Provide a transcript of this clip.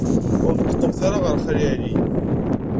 Ur neṭṭqemt ara ɣer Xali Ɛli.